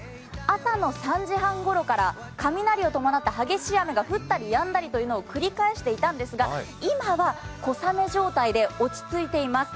朝の３時半ごろから雷を伴った激しい雨を降ったりやんだりを繰り返していたんですが、今は小雨状態で落ちついています。